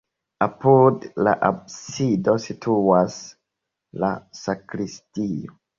Apud la absido situas la sakristio.